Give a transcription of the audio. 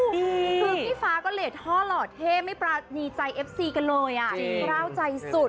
คือพี่ฟ้าก็เหลดท่อหล่อเท่ไม่ปรานีใจเอฟซีกันเลยอ่ะกล้าวใจสุด